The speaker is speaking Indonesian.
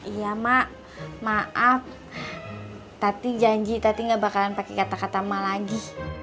iya mak maaf tati janji tati gak bakalan pake kata kata emak lagi